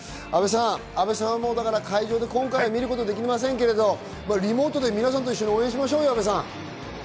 阿部さん、会場で今回、見ることができませんけれどもリモートで皆さんと一緒に応援しましょうよ。